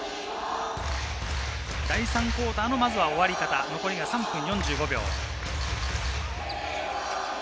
第３クオーターの終わり方、残りは３分４５秒。